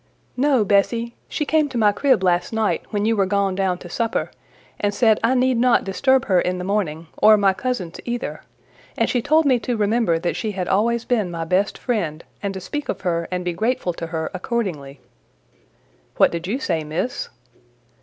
"No, Bessie: she came to my crib last night when you were gone down to supper, and said I need not disturb her in the morning, or my cousins either; and she told me to remember that she had always been my best friend, and to speak of her and be grateful to her accordingly." "What did you say, Miss?"